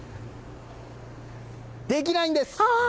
できないんです！